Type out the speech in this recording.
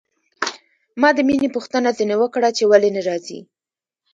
ما د مينې پوښتنه ځنې وکړه چې ولې نه راځي.